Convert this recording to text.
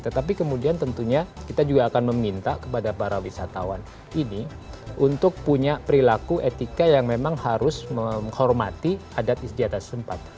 tetapi kemudian tentunya kita juga akan meminta kepada para wisatawan ini untuk punya perilaku etika yang memang harus menghormati adat istiadat sempat